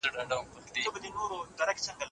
زده کوونکي څنګه ویډیو درسونه ګوري؟